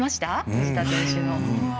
藤田選手の。